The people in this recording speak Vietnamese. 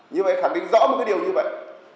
như vậy khẳng định rõ một cái điều như vậy